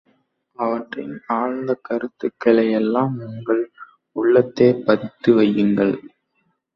அவற்றின் ஆழ்ந்த கருத்துக்களை யெல்லாம் உங்கள் உள்ளத்தே பதித்து வையுங்கள்.